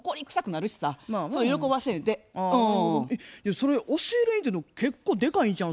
それ押し入れにって結構でかいんちゃうん？